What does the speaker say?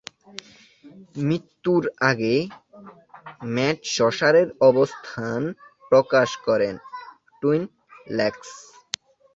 মৃত্যুর আগে, ম্যাট সসারের অবস্থান প্রকাশ করে: টুইন লেকস।